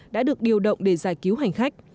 đã được điều động để giải cứu hành khách